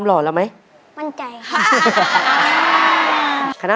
ขอบคุณค่ะ